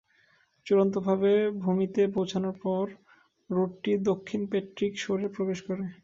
চূড়ান্তভাবে ভূমিতে পৌঁছানোর পর, রুটটি দক্ষিণ প্যাট্রিক শোরে প্রবেশ করে।